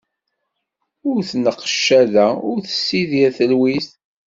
Ur tneqq cedda, ur tessidir telwit.